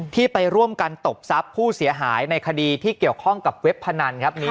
ที่ไปร่วมกันตบทรัพย์ผู้เสียหายในคดีที่เกี่ยวข้องกับเว็บพนันครับ